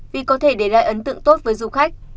vì có thể để lại ấn tượng tốt với du khách